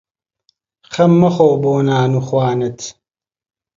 خەم مەخۆ بۆ نان و خوانت